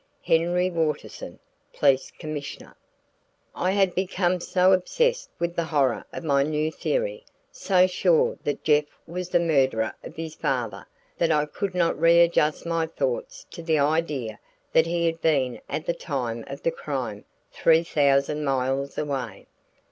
"HENRY WATERSON, "Police Commissioner." I had become so obsessed with the horror of my new theory; so sure that Jeff was the murderer of his father that I could not readjust my thoughts to the idea that he had been at the time of the crime three thousand miles away.